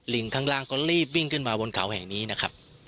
ข้างล่างก็รีบวิ่งขึ้นมาบนเขาแห่งนี้นะครับ